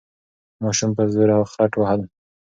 ماشوم په زوره خټ وهل.